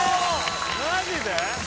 マジで？